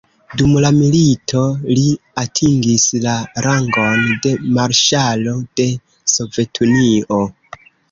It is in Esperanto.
Dum la milito, li atingis la rangon de Marŝalo de Sovetunio.